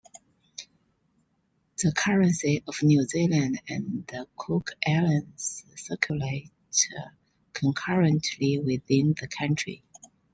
The currency of New Zealand and the Cook Islands circulate concurrently within the country.